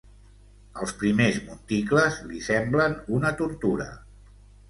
Els primers monticles li semblen una tortura.